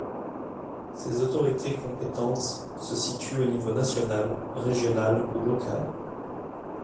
Ces autorités compétentes se situent au niveau national, régional ou local.